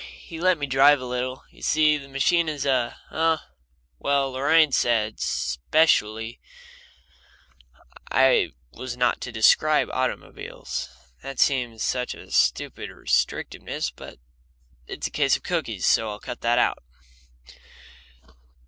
He let me drive a little. You see, the machine is a Oh, well, Lorraine said, specially, I was not to describe automobiles. That seems such a stupid restrictiveness, but it's a case of cookies, so I'll cut that out.